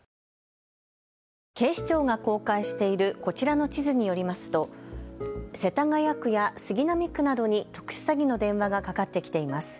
警視庁が公開しているこちらの地図によりますと世田谷区や杉並区などに特殊詐欺の電話がかかってきています。